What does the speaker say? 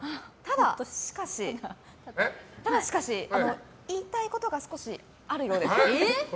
ただ、しかし言いたいことが少しあるようです。